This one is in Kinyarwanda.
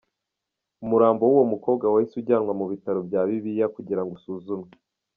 Umurambo w’uwo mukobwa wahise ujyanwa mu bitaro bya Bibia kugirango usuzumwe.